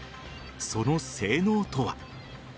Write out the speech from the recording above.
その性能とは。